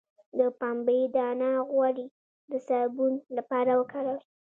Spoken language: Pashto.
د پنبې دانه غوړي د صابون لپاره وکاروئ